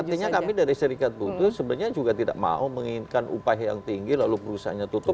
artinya kami dari serikat putus sebenarnya juga tidak mau menginginkan upah yang tinggi lalu perusahaannya tutup